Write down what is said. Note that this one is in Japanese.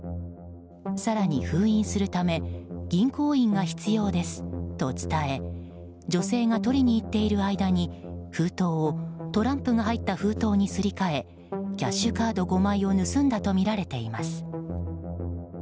更に封印するため銀行印が必要ですと伝え女性が取りに行っている間に封筒をトランプが入った封筒にすり替えキャッシュカード５枚を盗んだとみられています。